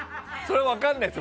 分からないです